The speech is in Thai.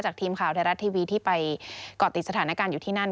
ทีมข่าวไทยรัฐทีวีที่ไปเกาะติดสถานการณ์อยู่ที่นั่น